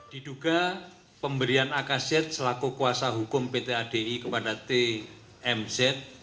diduga pemberian akz selaku kuasa hukum pt adi kepada tmz